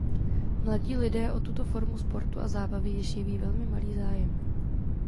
Mladí lidé o tuto formu sportu a zábavy již jeví velmi malý zájem.